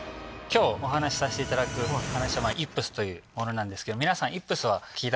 今日お話しさせていただく話はイップスというものなんですけど皆さん。